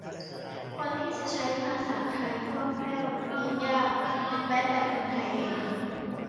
คนที่จะใช้ภาษาไทยคล่องแคล่วจึงยาก แม้แต่คนไทยเอง